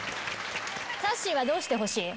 さっしーはどうしてほしい？